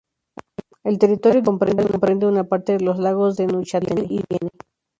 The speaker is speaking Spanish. El territorio distrital comprende una parte de los lagos de Neuchâtel y Bienne.